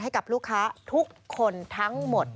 ให้กับลูกค้าทุกคนทั้งหมด